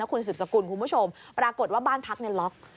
คุณสืบสกุลคุณผู้ชมปรากฏว่าบ้านพักเนี่ยล็อก